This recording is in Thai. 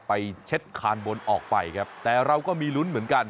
เช็ดคานบนออกไปครับแต่เราก็มีลุ้นเหมือนกัน